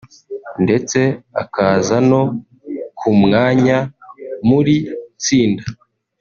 ndetse akaza no ku mwanya muri tsinda